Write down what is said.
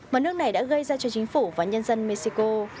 mà nước này đã gây ra cho chính phủ và nhân dân mexico